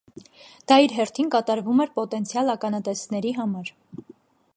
Դա իր հերթին կատարվում էր պոտենցիալ ականատեսների համար։